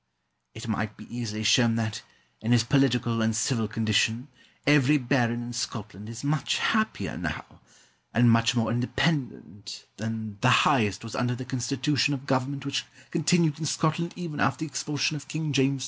It might be easily shown that, in his political and civil condition, every baron in Scotland is much happier now, and much more independent, than the highest was under that constitution of government which continued in Scotland even after the expulsion of King James II.